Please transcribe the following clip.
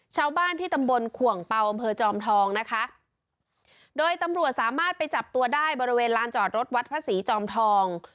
ชาวบ้านที่ตำบลขวงเป่าอำเภอจอมทองนะคะโดยตำรวจสามารถไปจับตัวได้บริเวณลานจอดรถวัดพระศรีจอมทอง